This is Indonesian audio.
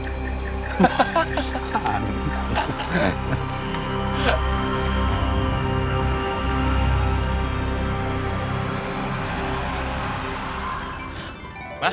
mama aku mau ke rumah